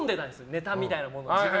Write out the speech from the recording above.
ネタみたいなのを。